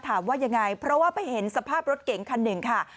ถามว่ายังไงเพราะว่าไปเห็นสภาพรถเก๋งคันหนึ่งค่ะ